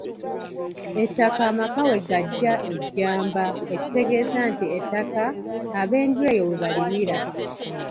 Ettaka amaka we gaggya ejjamba ekitegeeza nti ettaka ab'ennyumba eyo we balimira.